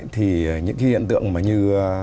thì những hiện tượng mà như